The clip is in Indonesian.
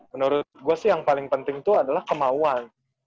menurut gue sih yang paling penting itu adalah kemauan